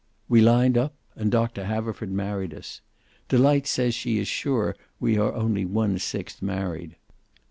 "We lined up, and Doctor Haverford married us. Delight says she is sure we are only one sixth married.